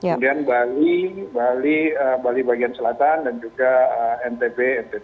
kemudian bali bali bagian selatan dan juga ntb